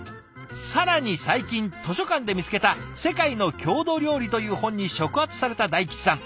更に最近図書館で見つけた「世界の郷土料理」という本に触発されたダイキチさん。